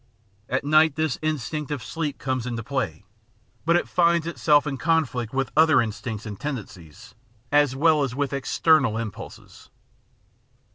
At night this instinct of sleep comes into play, but it finds itself in con flict with other instincts and tendencies, as well as with external impulses.